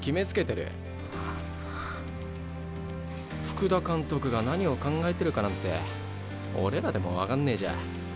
福田監督が何を考えてるかなんて俺らでも分かんねえじゃ。